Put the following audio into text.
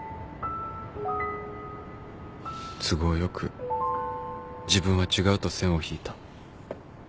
都合良く自分は違うと線を引いた